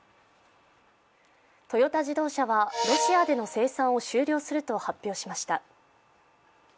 トヨタ自動車はロシアでの生産を終了すると発表しました。